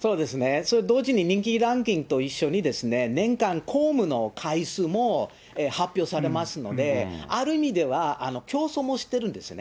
それと同時に、人気ランキングと一緒に年間公務の回数も、発表されますので、ある意味では競争もしてるんですね。